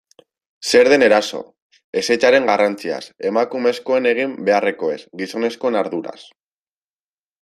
Zer den eraso, ezetzaren garrantziaz, emakumezkoen egin beharrekoez, gizonezkoen arduraz...